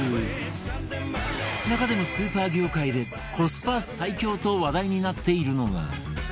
中でもスーパー業界でコスパ最強と話題になっているのが